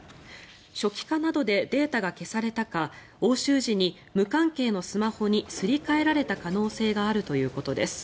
初期化などでデータが消されたか押収時に無関係のスマホにすり替えられた可能性があるということです。